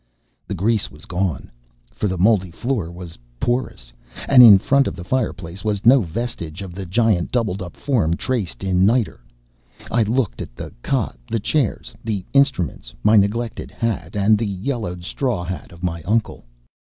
The grease was gone, for the moldy floor was porous. And in front of the fireplace was no vestige of the giant doubled up form traced in niter. I looked at the cot, the chairs, the instruments, my neglected hat, and the yellowed straw hat of my uncle.